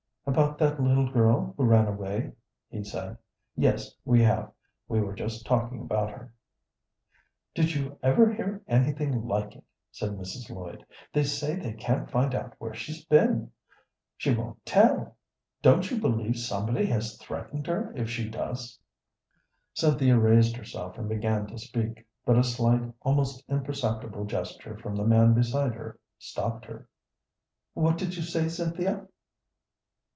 "About that little girl who ran away?" he said. "Yes, we have; we were just talking about her." "Did you ever hear anything like it?" said Mrs. Lloyd. "They say they can't find out where she's been. She won't tell. Don't you believe somebody has threatened her if she does?" Cynthia raised herself and began to speak, but a slight, almost imperceptible gesture from the man beside her stopped her. "What did you say, Cynthia?"